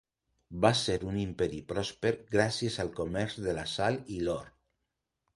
Va ser un imperi pròsper gràcies al comerç de la sal i l'or.